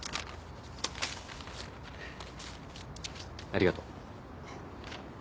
ありがとう。